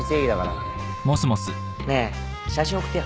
ねえ写真送ってよ。